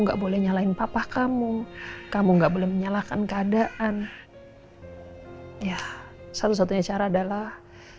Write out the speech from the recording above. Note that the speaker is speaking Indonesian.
enggak boleh nyalahin papa kamu kamu nggak boleh menyalahkan keadaan ya satu satunya cara adalah